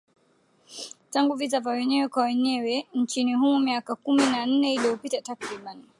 tangu vita vya wenyewe kwa wenyewe nchini humo miaka kumi na nne iliyopita takriban